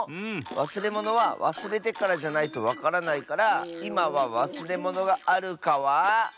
わすれものはわすれてからじゃないとわからないからいまはわすれものがあるかは。